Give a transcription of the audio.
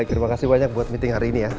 terima kasih banyak buat meeting hari ini ya